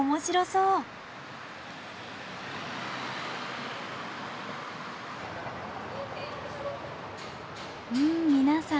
うん皆さん